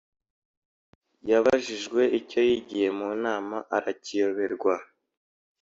Yabajijwe icyo yigiye mu nama arakiyoberwa